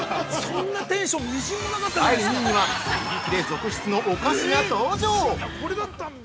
◆第２位には売り切れ続出のお菓子が登場！